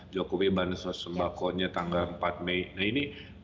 jokowi bansus atau sembakonya tanggal empat mei nah ini